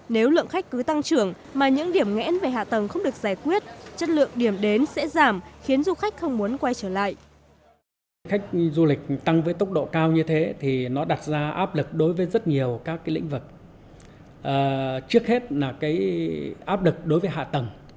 nếu lượng khách cứ tăng trưởng mà những điểm nghẽn về hạ tầng sẽ tăng